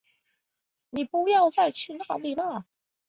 妳不要再去那里了